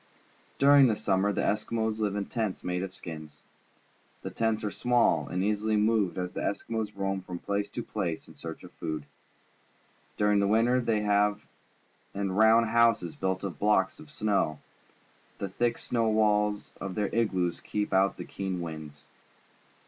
During the summer the Eskimos Hve in tents made of skins. The tents are small and are easily moved as the Eskimos roam from place to place in search of food. During the winter they hve in round houses built of blocks of snow. The thick snow walls of their igloos keep out the keen winds.